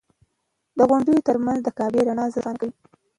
د غونډیو تر منځ د کعبې رڼا زړه راښکونکې ده.